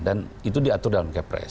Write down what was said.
dan itu diatur dalam kpres